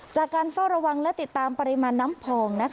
จากการเฝ้าระวังและติดตามปริมาณน้ำพอง